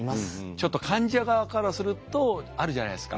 ちょっと患者側からするとあるじゃないですか。